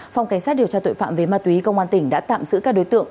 phòng cảnh sát điều tra tội phạm về ma túy công an tỉnh đã tạm giữ các đối tượng